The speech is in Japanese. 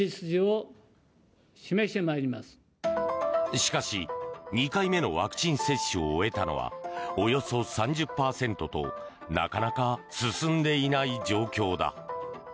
しかし２回目のワクチン接種を終えたのはおよそ３０％となかなか進んでいない状況だ。